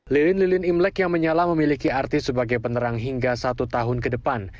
lilin lilin imlek yang menyala memiliki arti sebagai penerang hingga satu tahun ke depan